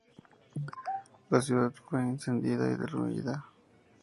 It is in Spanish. La ciudad fue incendiada y derruida.